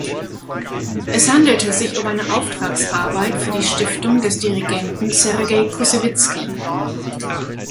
Es handelte sich um eine Auftragsarbeit für die Stiftung des Dirigenten Sergei Kussewizki.